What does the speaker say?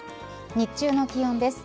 日中の気温です。